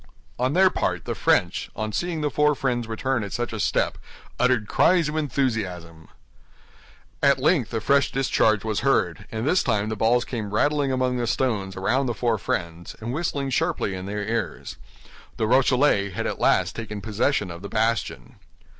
On their part, the French, on seeing the four friends return at such a step, uttered cries of enthusiasm. At length a fresh discharge was heard, and this time the balls came rattling among the stones around the four friends, and whistling sharply in their ears. The Rochellais had at last taken possession of the bastion.